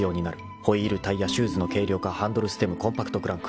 ［ホイールタイヤシューズの軽量化ハンドルステムコンパクトクランク］